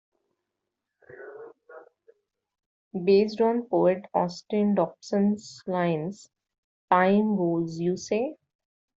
Based on poet Austin Dobson's lines - Time goes, you say?